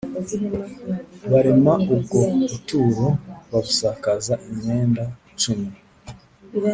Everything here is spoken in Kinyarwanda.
barema ubwo buturo babusakaza imyenda cumi